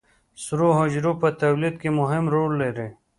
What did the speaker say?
سرو حجرو په تولید کې مهم رول لري